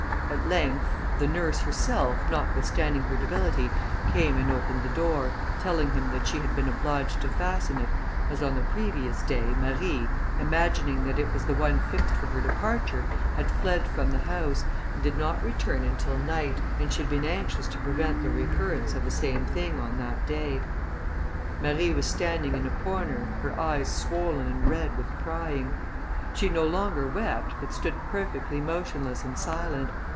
At length, the nurse herself, notwithstanding her debility, came and opened the door, telling them that she had been obliged to fasten it, as on the previous day, Marie, imagining that it was the one fixed for her departure, had fled from the house, and did not return until night, and she had been anxious to prevent the recurrence of the same thing on that day. Marie was standing in a corner, her eyes swoln and red with crying. She no longer wept, but stood perfectly motionless, and silent.